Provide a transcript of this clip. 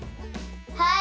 はい。